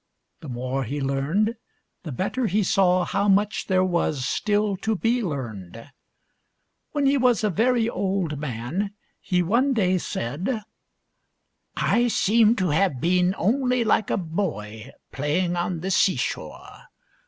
The more he learned, the better he saw how much there was still to be learned. When he was a very old man he one day said :" I seem to have been only like a boy playing on the seashore.